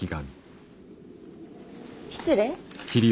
失礼。